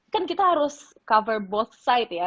kan kita harus cover both side ya